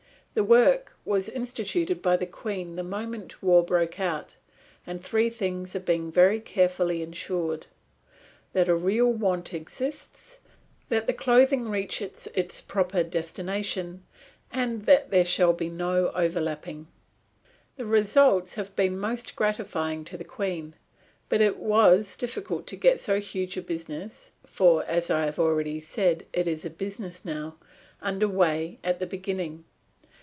The work was instituted by the Queen the moment war broke out, and three things are being very carefully insured: That a real want exists, that the clothing reaches its proper destination, and that there shall be no overlapping. The result has been most gratifying to the Queen, but it was difficult to get so huge a business for, as I have already said, it is a business now under way at the beginning.